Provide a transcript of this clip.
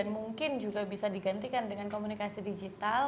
mungkin juga bisa digantikan dengan komunikasi digital